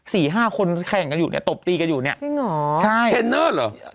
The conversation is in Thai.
สี่ห้าคนแข่งกันอยู่เนี่ยตบตีกันอยู่เนี่ยจริงเหรอใช่เทรนเนอร์เหรอ